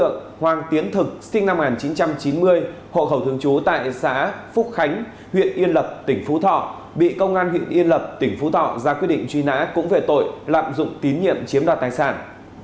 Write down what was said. năm một nghìn chín trăm chín mươi hộ khẩu thường trú tại xã phúc khánh huyện yên lập tỉnh phú thọ bị công an huyện yên lập tỉnh phú thọ ra quyết định truy nã cũng về tội lạm dụng tín nhiệm chiếm đoạt tài sản